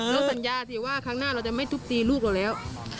สัญญาสิว่าครั้งหน้าเราจะไม่ทุบตีลูกเราแล้ว